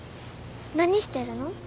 何してるの？